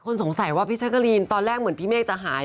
สงสัยว่าพี่แจ๊กกะรีนตอนแรกเหมือนพี่เมฆจะหาย